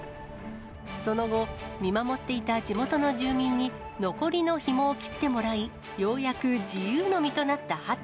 その後、見守っていた地元の住民に、残りのひもを切ってもらい、ようやく自由の身となったハト。